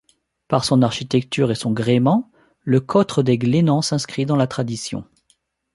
Par son architecture et son gréement, le Cotre des Glénans s'inscrit dans la tradition.